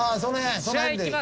じゃあいきます！